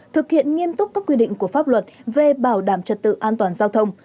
thực hiện nghiêm túc các quy định của pháp luật về bảo đảm trật tự an toàn giao thông